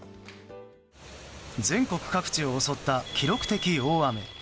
全国各地を襲った記録的大雨。